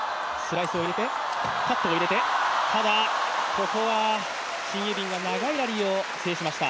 ここはシン・ユビンが長いラリーを制しました。